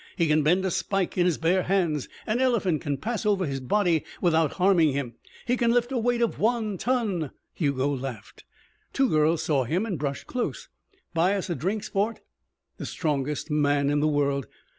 He can bend a spike in his bare hands, an elephant can pass over his body without harming him, he can lift a weight of one ton...." Hugo laughed. Two girls saw him and brushed close. "Buy us a drink, sport." The strongest man in the world.